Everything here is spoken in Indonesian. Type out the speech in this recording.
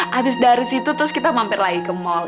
habis dari situ terus kita mampir lagi ke mall